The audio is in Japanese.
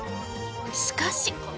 しかし。